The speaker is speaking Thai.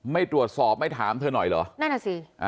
ไม่ตรวจสอบไม่ถามเธอหน่อยเหรอนั่นอ่ะสิ